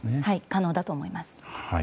可能だと思います。